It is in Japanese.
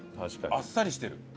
あっさりしてる。